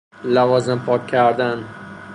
لوازم پاک کردن